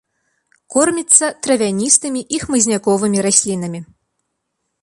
Корміцца травяністымі і хмызняковымі раслінамі.